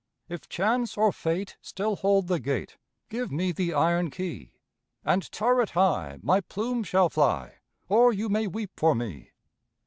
If Chance or Fate still hold the gate, Give me the iron key, And turret high, my plume shall fly, Or you may weep for me!